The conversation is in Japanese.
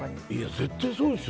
絶対そうですよ。